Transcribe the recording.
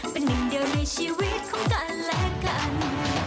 เป็นหนึ่งเดียวในชีวิตของกันและกัน